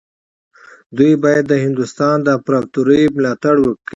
دوی باید د هندوستان د امپراطورۍ ملاتړ وکړي.